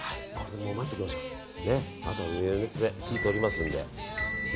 あとは余熱で火が通りますので。